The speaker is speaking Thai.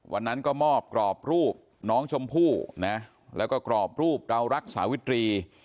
วันนั้นก็มอบกรอบรูปน้องชมพู่นะแล้วก็กรอบรูปเรารักษาิตรี